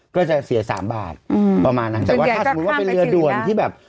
ก็จะเสียสามบาทอืมประมาณนั้นแต่ว่าถ้าสมมุติว่าเป็นเรือด่วนที่แบบ